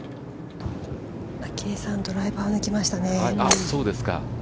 明愛さん、ドライバーできましたね。